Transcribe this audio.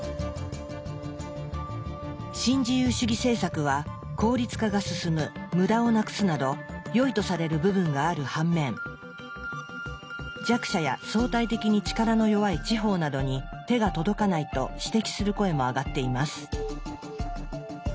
新自由主義政策は効率化が進む無駄をなくすなどよいとされる部分がある反面弱者や相対的に力の弱い地方などに手が届かないと指摘する声も上がっています。